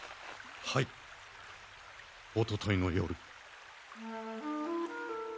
はいおとといの夜。